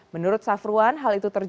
menurut safruan hal itu terjadi